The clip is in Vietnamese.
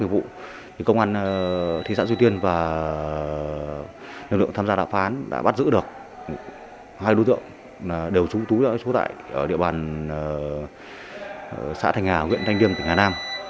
và nhân dân tham gia đạp phán đã bắt giữ được hai đối tượng đều trúng túi ở địa bàn xã thành hà nguyễn thanh điêm thành hà nam